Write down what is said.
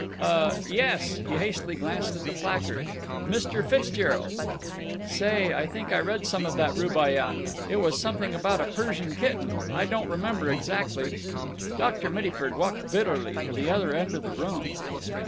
"Uh—yes." He hastily glanced at the placard. "Mr. Fitzgerald. Say, I think I read some of that Rubaiyat. It was something about a Persian kitten—I don't remember exactly." Dr. Mittyford walked bitterly to the other end of the room.